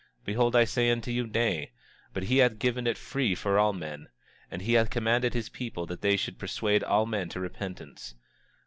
Behold I say unto you, Nay; but he hath given it free for all men; and he hath commanded his people that they should persuade all men to repentance.